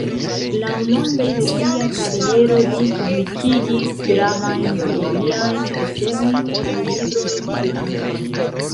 Laŭlonge de sia kariero li publikigis gravajn teoriajn eseojn kaj librojn pri arto.